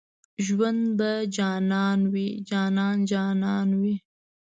ژوند په جانان وي جانان جانان وي